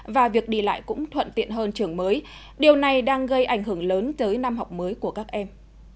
và việc đi lại cũng thuận tiện hơn trường mới điều này đang gây ảnh hưởng lớn tới năm học mới của các em